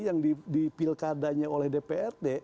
yang di pilkadanya oleh dprd